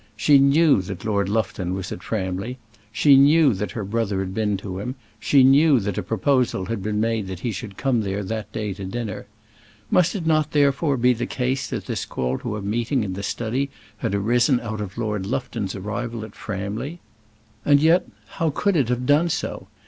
She knew that Lord Lufton was at Framley; she knew that her brother had been to him; she knew that a proposal had been made that he should come there that day to dinner. Must it not therefore be the case that this call to a meeting in the study had arisen out of Lord Lufton's arrival at Framley? and yet, how could it have done so?